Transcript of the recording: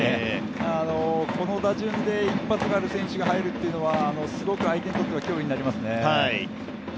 この打順で一発がある選手が入るというのはすごく相手にとっては脅威になりますね。